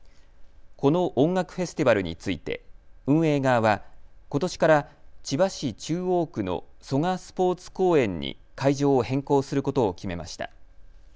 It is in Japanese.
この音楽フェスティバルについて運営側はことしから千葉市中央区の蘇我スポーツ公園に会場を変更することを決めました。